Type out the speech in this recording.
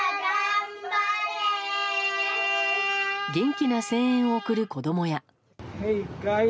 元気な声援を送る子供や。